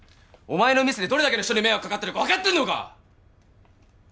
お前のミスでどれだけの人に迷惑掛かってるか分かってんのか！？